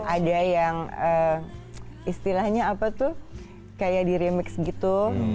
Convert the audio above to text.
ada yang istilahnya apa tuh kayak di remix gitu